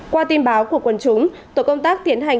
qua tin báo của quần chúng tổ công tác tiến hành